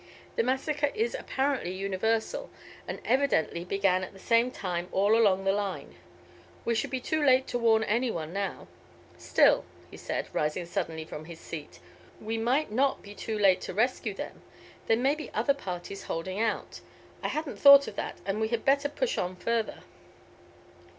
"The massacre is apparently universal, and evidently began at the same time all along the line. We should be too late to warn any one now. Still," he said, rising suddenly from his seat, "we might not be too late to rescue them. There may be other parties holding out. I hadn't thought of that, and we had better push on further."